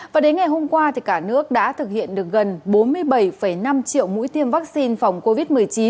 và đến ngày hôm qua cả nước đã thực hiện được gần bốn mươi bảy năm triệu mũi tiêm vaccine phòng covid một mươi chín